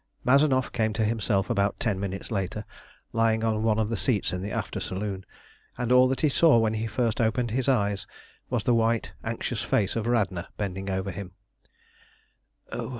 Mazanoff came to himself about ten minutes later, lying on one of the seats in the after saloon, and all that he saw when he first opened his eyes was the white anxious face of Radna bending over him.